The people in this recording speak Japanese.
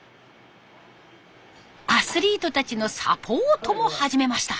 アスリートたちのサポートも始めました。